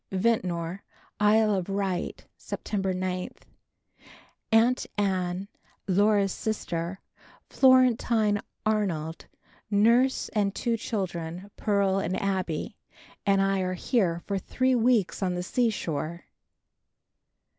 Ventnor, Isle of Wight, September 9. Aunt Ann, Laura's sister, Florentine Arnold, nurse and two children, Pearl and Abbie, and I are here for three weeks on the seashore.